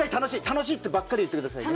楽しいってばっかり言ってください